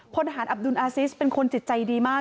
พลทหารอับดุลอาซิสเป็นคนจิตใจดีมาก